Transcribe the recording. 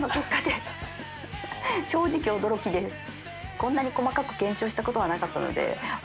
こんなに細かく検証したことはなかったので榲筿